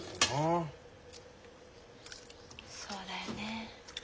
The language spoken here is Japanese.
そうだよね。